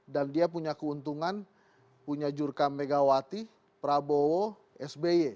dan dia punya keuntungan punya jurka megawati prabowo sby